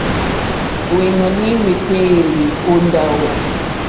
Hwɛ́nɔ̀ní hwékpéélì ó ndáwò.